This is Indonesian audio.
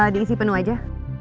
diisi penuh aja